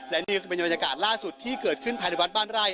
และนี่ก็เป็นบรรยากาศล่าสุดที่เกิดขึ้นภายในวัดบ้านไร่